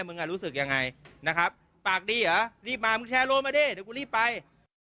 มึงอ่ะรู้สึกยังไงนะครับปากดีเหรอรีบมาไม่ได้ดูลีไป